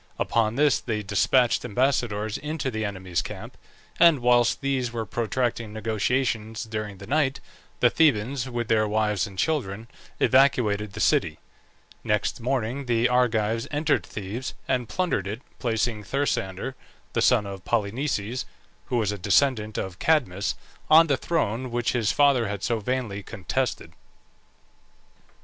Upon this they despatched ambassadors into the enemy's camp; and whilst these were protracting negotiations during the night, the Thebans, with their wives and children, evacuated the city. Next morning the Argives entered Thebes and plundered it, placing Thersander, the son of Polynices (who was a descendant of Cadmus), on the throne which his father had so vainly contested.